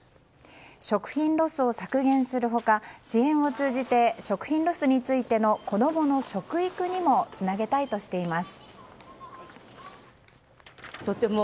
食品ロスを削減する他支援を通じて食品ロスについての子供の食育にもつなげたいとしています。